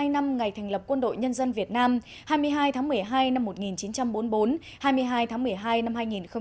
hai mươi năm ngày thành lập quân đội nhân dân việt nam hai mươi hai tháng một mươi hai năm một nghìn chín trăm bốn mươi bốn hai mươi hai tháng một mươi hai năm hai nghìn một mươi chín